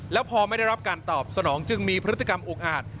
แล้วพอไม่ได้รับการตอบสนองจึงมีพฤติกรรมอุกอาจ